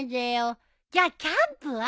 じゃあキャンプは？